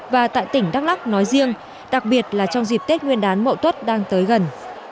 và tại tỉnh đắk lắc nói riêng đặc biệt là trong dịp tết nguyên đán mậu tuất đang tới gần